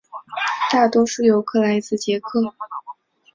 大多数游客来自捷克。